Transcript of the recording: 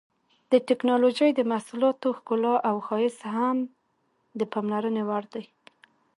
د ټېکنالوجۍ د محصولاتو ښکلا او ښایست هم د پاملرنې وړ دي.